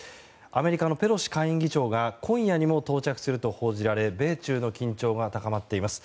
アメリカのペロシ下院議長が今夜にも到着すると報じられ米中の緊張が高まっています。